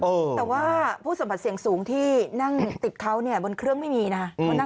แต่ว่าผู้สัมผัสเสี่ยงสูงที่นั่งติดเขาเนี่ยบนเครื่องไม่มีนะ